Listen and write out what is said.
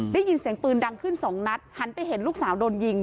ได้ยินเสียงปืนดังขึ้นสองนัดหันไปเห็นลูกสาวโดนยิง